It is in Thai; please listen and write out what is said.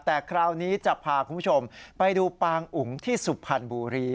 แต่คราวนี้จะพาคุณผู้ชมไปดูปางอุ๋งที่สุพรรณบุรี